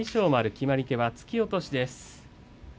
決まり手は突き落としです。